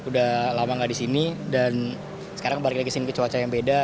udah lama gak di sini dan sekarang balik lagi ke sini ke cuaca yang beda